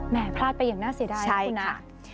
แหมพลาดไปอย่างน่าเสียดายนะคุณนะค่ะใช่ค่ะ